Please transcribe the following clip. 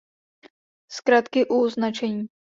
Zkratky u značení